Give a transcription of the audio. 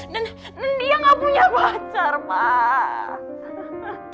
dan dia gak punya pacar pak